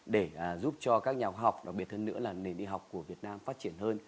để giúp cho các nhà khoa học đặc biệt hơn nữa là nền y học của việt nam phát triển hơn